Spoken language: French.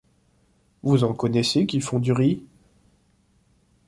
Vous en connaissez qui font du riz ?